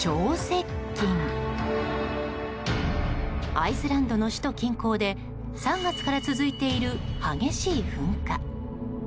アイスランドの首都近郊で３月から続いている激しい噴火。